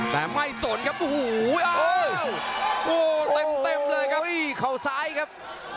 แต่ไม่สนครับโอ้โหเต็มเลยครับเขาซ้ายครับ